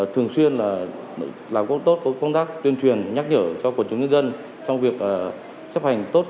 thường xuyên làm tốt tốt công tác tuyên truyền nhắc nhở cho quần chúng nhân dân trong việc chấp hành tốt